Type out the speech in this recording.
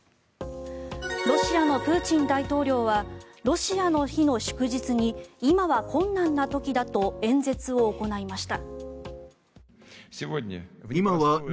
ロシアのプーチン大統領はロシアの日の祝日に今は困難な時だと演説を行いました。